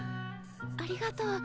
ありがとう。